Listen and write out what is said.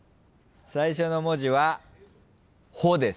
最初の文字は「ほ」です。